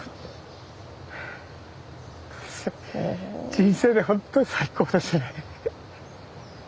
人生でほんとに最高ですよね。